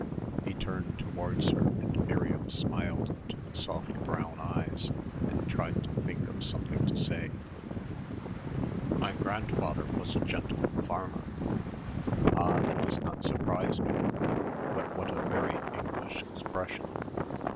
He turned towards her and Miriam smiled into the soft brown eyes and tried to think of something to say. "My grandfather was a gentleman farmer." "Ah that does not surprise me but what a very English expression!"